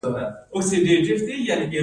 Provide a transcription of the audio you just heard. د ستوني د نیول کیدو لپاره باید څه شی وڅښم؟